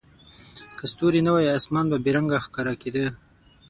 که ستوري نه وای، اسمان به بې رنګه ښکاره کېده.